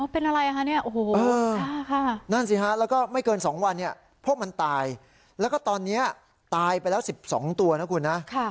อ๋อเป็นอะไรอ่ะค่ะเนี้ยโอ้โหค่ะค่ะนั่นสิฮะแล้วก็ไม่เกินสองวันเนี้ยพวกมันตายแล้วก็ตอนเนี้ยตายไปแล้วสิบสองตัวนะคุณนะค่ะค่ะ